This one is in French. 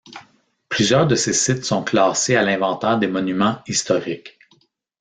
Plusieurs de ces sites sont classés à l'inventaire des Monuments historiques.